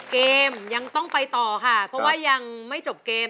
เกมยังต้องไปต่อค่ะเพราะว่ายังไม่จบเกม